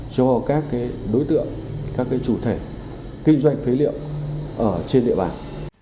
cho các đối tượng các chủ thể kinh doanh phế liệu ở trên địa bàn